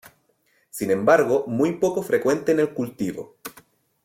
Sin embargo muy poco frecuente en el cultivo.